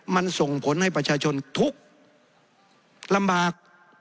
มันส่งผลให้ประชาชนทุกข์ลำบาก